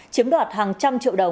chiếm đoạt hàng trăm